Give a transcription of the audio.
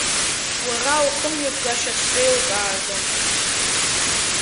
Уара ухымҩаԥгашьа сзеилкааӡом.